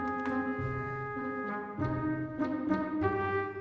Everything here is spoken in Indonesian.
tau mau mengontrol